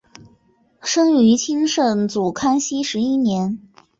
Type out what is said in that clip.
生于清圣祖康熙十一年。